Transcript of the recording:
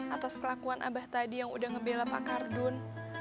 atas kelakuan abah tadi yang udah ngebela pak kardun